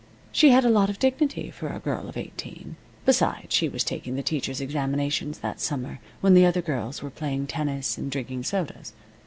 She had a lot of dignity for a girl of eighteen. Besides, she was taking the teachers' examinations that summer, when the other girls were playing tennis and drinking sodas.